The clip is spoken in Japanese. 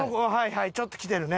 はいちょっときてるね。